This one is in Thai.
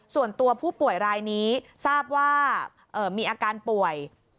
ส่วนตัวผู้ป่วยรายนี้ทราบว่ามีอาการป่วย